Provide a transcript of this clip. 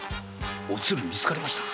おつるが見つかりました。